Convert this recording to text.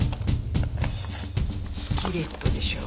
スキレットでしょう。